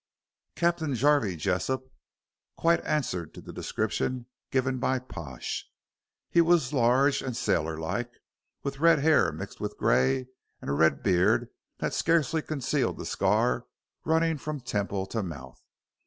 Captain Jarvey Jessop quite answered to the description given by Pash. He was large and sailor like, with red hair mixed with grey and a red beard that scarcely concealed the scar running from temple to mouth.